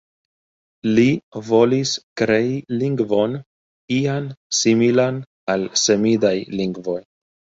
Li volis krei lingvon ian similan al semidaj lingvoj.